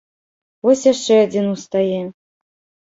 Вось яшчэ адзін устае.